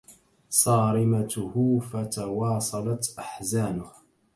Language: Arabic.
صارمته فتواصلت أحزانه